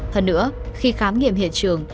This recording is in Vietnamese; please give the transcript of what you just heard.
hơn nữa khi khám nghiệm hiện trường